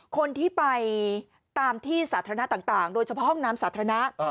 คนที่ไปตามที่สาธารณะต่างโดยเฉพาะห้องน้ำสาธารณะ